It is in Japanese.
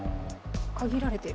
限られてる？